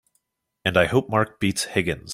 And I hope Mark beats Higgins!